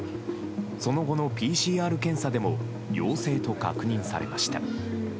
その後のＰＣＲ検査でも陽性と確認されました。